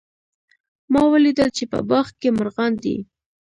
ما ولیدل چې په باغ کې مرغان دي